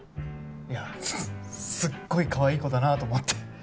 いやすっごいかわいい子だなと思って。